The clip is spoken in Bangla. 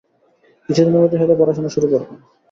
কিছুদিনের মধ্যেই হয়তো পড়াশোনা শুরু করবে।